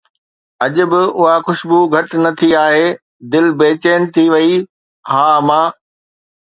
اڄ به اها خوشبو گهٽ نه ٿي آهي، دل بيچين ٿي وئي: ها، امان؟